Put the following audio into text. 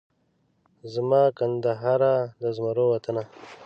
زما کندهاره د زمرو وطنه